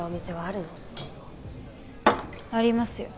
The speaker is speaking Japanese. ありますよ。